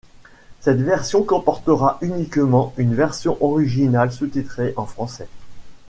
Cette version comportera uniquement une version originale sous-titrée en français.